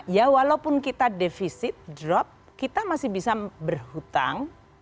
ya walaupun kita defisit drop kita masih bisa berhutang